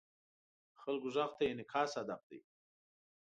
د خلکو غږ ته انعکاس هدف دی.